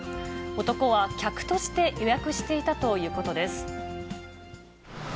男は客として予約していたということです。